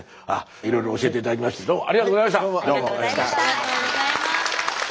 いろいろ教えて頂きましてどうもありがとうございました。